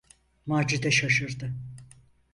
Macide şaşırdı.